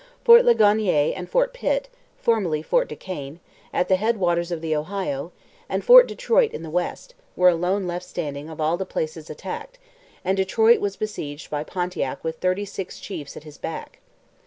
Fort Ligonier and Fort Pitt, [Footnote: Formerly Fort Duquesne.] at the head waters of the Ohio, and Fort Detroit in the west, were alone left standing of all the places attacked, and Detroit was besieged by Pontiac with thirty six chiefs at his back.